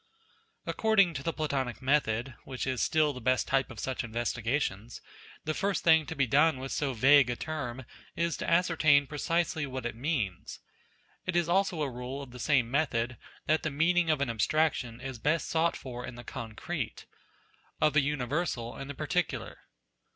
According to the Platonic method which is still the best type of such investigations, the first thing to be done with so vague a term is to ascertain precisely what it means. It is also a rule of the same method, that the meaning of an abstraction is best sought for in the concrete of an universal in the particular.